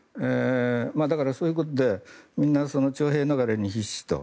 だからそういうことでみんな、徴兵逃れに必死だと。